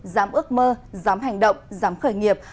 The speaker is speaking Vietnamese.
dám ước mơ dám hành động dám khởi nghiệp